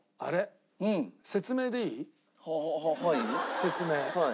説明。